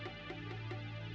oh itu orangnya